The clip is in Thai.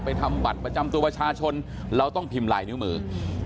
ทำบัตรประจำตัวประชาชนเราต้องพิมพ์ลายนิ้วมือ